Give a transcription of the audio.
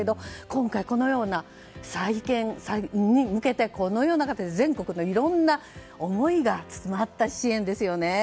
今回再建に向けてこのような形で全国のいろんな思いが詰まった支援ですよね。